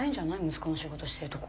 息子の仕事してるとこ。